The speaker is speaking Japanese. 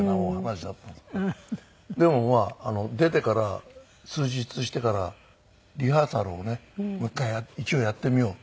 でもまあ出てから数日してからリハーサルをねもう１回一応やってみよう。